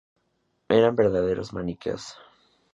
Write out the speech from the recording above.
Eran verdaderos Maniqueos.